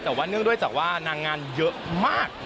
แต่ว่าเนื่องด้วยจากว่านางงานเยอะมาก